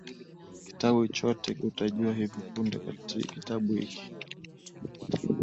kitabu chote utajua hivi punde Kitabu hiki